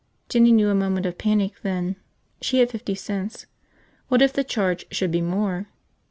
Jinny knew a moment of panic, then. She had fifty cents. What if the charge should be more?